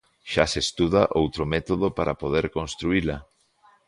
Xa se estuda outro método para poder construíla.